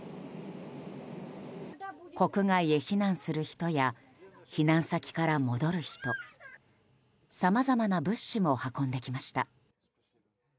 国外へ避難する人や避難先から戻る人さまざまな物資も運んできました。